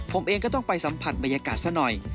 ผมเองก็ต้องไปสัมผัสบรรยากาศซะหน่อย